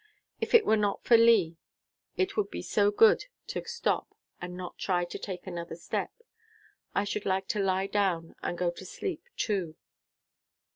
If it were not for Lee, it would be so good to stop, and not try to take another step. I should like to lie down and go to sleep, too."